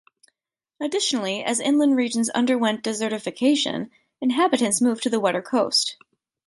Additionally, as inland regions underwent desertification, inhabitants moved to the wetter coast.